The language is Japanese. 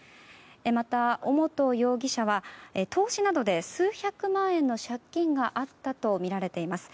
また尾本容疑者は投資などで数百万円の借金があったとみられています。